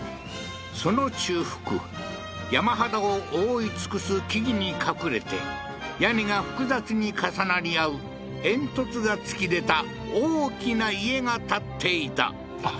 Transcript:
その中腹山肌を覆い尽くす木々に隠れて屋根が複雑に重なり合う煙突が突き出た大きな家が建っていたあっ